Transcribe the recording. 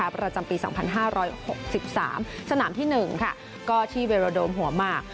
ประจำปี๒๕๖๓สนามที่๑ก็ที่เวโรโดมหัวหมาก